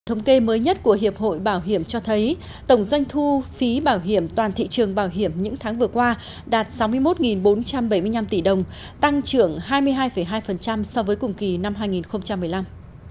thống kê mới nhất của hiệp hội bảo hiểm cho thấy tổng doanh thu phí bảo hiểm toàn thị trường bảo hiểm những tháng vừa qua đạt sáu mươi một bốn trăm bảy mươi năm tỷ đồng tăng trưởng hai mươi hai hai so với cùng kỳ năm hai nghìn một mươi năm